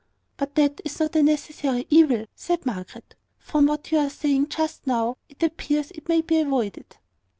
"But this is not a necessary evil," said Margaret. "From what you were saying just now, it appears that it may be avoided."